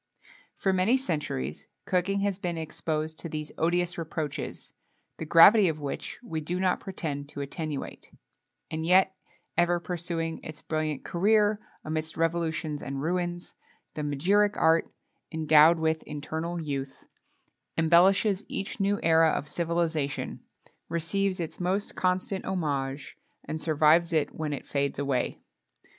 For many centuries cooking has been exposed to these odious reproaches, the gravity of which we do not pretend to attenuate; and yet, ever pursuing its brilliant career amidst revolutions and ruins, the magiric art, endowed with eternal youth, embellishes each new era of civilization, receives its most constant homage, and survives it when it fades away.